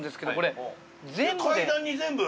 階段に全部。